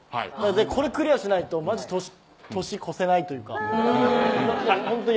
これ、クリアしないと年越せないというか。